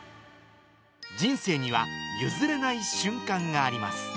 人生には譲れない瞬間があります。